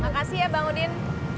makasih ya bang udin